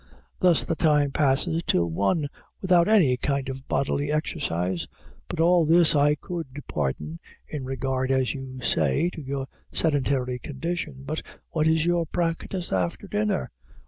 Thus the time passes till one, without any kind of bodily exercise. But all this I could pardon, in regard, as you say, to your sedentary condition. But what is your practice after dinner?